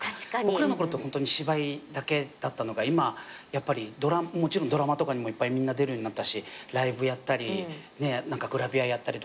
僕らのころってホントに芝居だけだったのが今もちろんドラマとかにもいっぱいみんな出るようになったしライブやったりグラビアやったり。